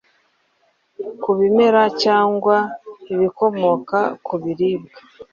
ku bimera cyangwa ibikomoka ku biribwa